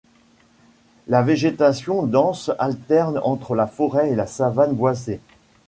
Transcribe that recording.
La végétation dense alterne entre la forêt et la savane boisée.